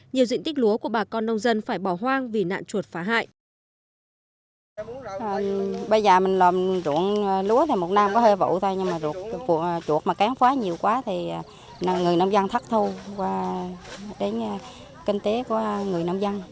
nhiều diện tích lúa của bà con nông dân phải bỏ hoang vì nạn chuột phá hại